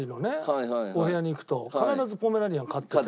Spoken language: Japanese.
お部屋に行くと必ずポメラニアン飼ってて。